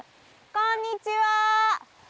こんにちは。